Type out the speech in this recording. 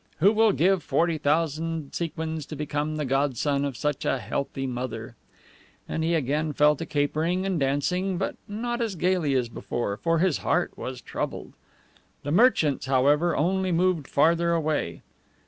Who will give forty thousand sequins to become the godson of such a healthy mother?" And he again fell to capering and dancing, but not as gayly as before, for his heart was troubled. The merchants, however, only moved farther away.